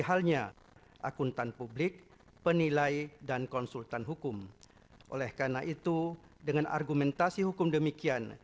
halnya akuntan publik penilai dan konsultan hukum oleh karena itu dengan argumentasi hukum demikian